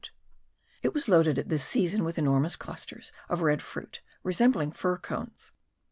It was loaded at this season with enormous clusters of red fruit, resembling fir cones.